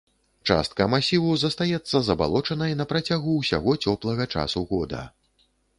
Частка масіву застаецца забалочанай на працягу ўсяго цёплага часу года.